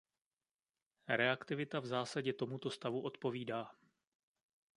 Reaktivita v zásadě tomuto stavu odpovídá.